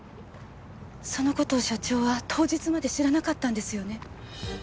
その事を社長は当日まで知らなかったんですよね？